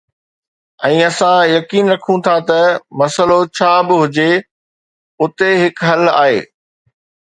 ۽ اسان يقين رکون ٿا ته مسئلو ڇا به هجي، اتي هڪ حل آهي